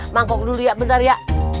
mangkok dulu ya bentar ya